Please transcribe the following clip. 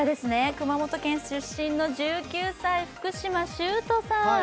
熊本県出身の１９歳福嶌崇人さん